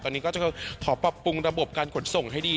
ตอนนี้ก็จะขอปรับปรุงระบบการขนส่งให้ดี